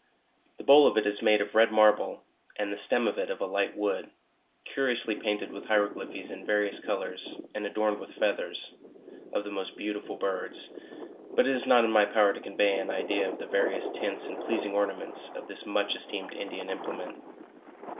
90 * JOURNAL OF The bowl of it is made of red m ruble, and the stem of it of a light wood, curiously painted with hieroglyphies in various colours, and odorned with feathers, of the most beoutiful birds; but it is not in my power to convey an idea of the various tints and pleasing ornaments of this much esteemed Indian impliment.